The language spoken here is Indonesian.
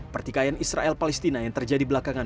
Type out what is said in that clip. pertikaian israel palestina yang terjadi belakangan